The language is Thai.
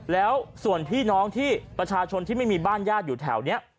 แล้วส่วนพี่น้องที่ประชาชนที่ไม่มีบ้านญาติอยู่แถวนี้